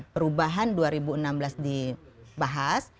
perubahan dua ribu enam belas dibahas